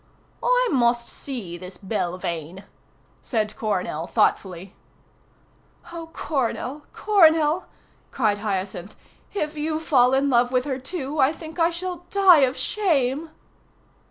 "I must see this Belvane," said Coronel thoughtfully. "Oh, Coronel, Coronel," cried Hyacinth, "if you fall in love with her, too, I think I shall die of shame!"